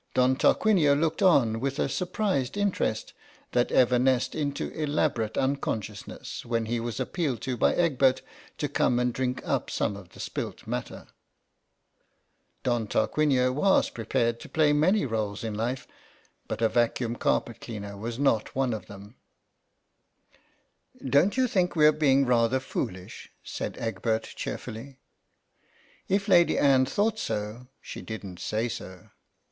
Don Tarquinio looked on with a surprised interest that evanesced into elabor ate unconsciousness when he was appealed to by Egbert to come and drink up some of the spilt matter. Don Tarquinio was prepared I 10 THE RETICENCE OF LADY ANNE to play many roles in life, but a vacuum carpet cleaner was not one of them. "Don't you think we're being rather foolish ?" said Egbert cheerfully. If Lady Anne thought so she didn't say so.